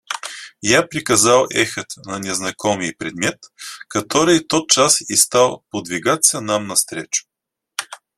Я приказал ехать на незнакомый предмет, который тотчас и стал подвигаться нам навстречу.